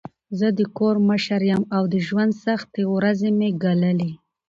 زه د کور مشر یم او د ژوند سختې ورځي مې ګاللي.